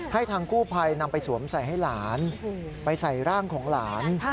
ให้ทางกู้ภัยนำไปสวมใส่ให้หลานไปใส่ร่างของหลาน